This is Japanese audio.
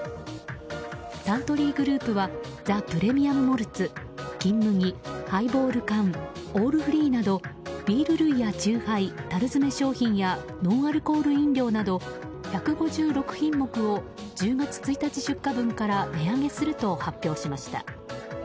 サントリーグループはザ・プレミアム・モルツ金麦、ハイボール缶オールフリーなどビール類や酎ハイ、樽詰め商品やノンアルコール飲料など１５６品目を１０月１日出荷分から値上げすると発表しました。